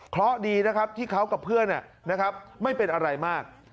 เพราะดีนะครับที่เขากับเพื่อนไม่เป็นอะไรมาก